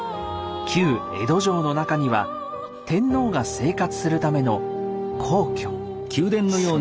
旧江戸城の中には天皇が生活するための皇居。